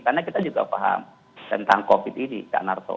karena kita juga paham tentang covid ini kak narto